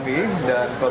ya selama sore fani